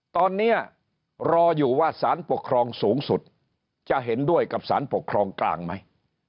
ตอนนี้รออยู่ว่าสารปกครองสูงสุดจะเห็นด้วยกับสารปกครองกลางไหม